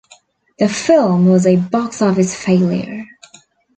The film was a box office failure.